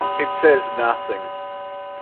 It says nothing.